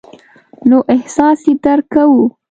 نو احساس یې درک کوو.